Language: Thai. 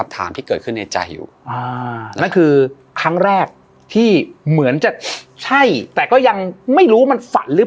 ทันคำใช้แต่ก็ยังไม่รู้ว่ามันฝันหรือ